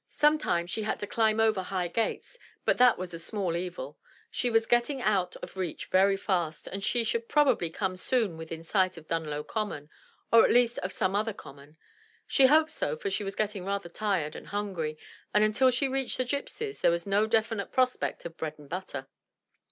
Sometimes she had to climb over high gates, but that was a small evil; she was getting 239 MY BOOK HOUSE out of reach very fast, and she should probably soon come within sight of Dunlow Common, or at least of some other common. She hoped so, for she was getting rather tired and hungry, and until she reached the gypsies, there was no definite prospect of bread and butter.